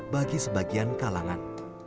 bagi sebagian kalangan